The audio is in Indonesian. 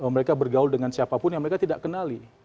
mereka bergaul dengan siapa pun yang mereka tidak kenali